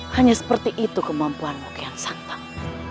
hanya seperti itu kemampuanmu kian santang